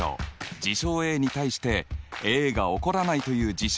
事象Ａに対してＡが起こらないという事象